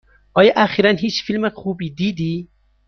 آیا اخیرا هیچ فیلم خوبی دیدی؟